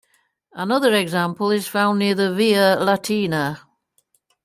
Another example is found near the Via Latina.